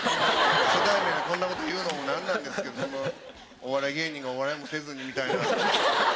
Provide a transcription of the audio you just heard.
初対面でこんなこと言うのも何なんですけどお笑い芸人がお笑いもせずにみたいな。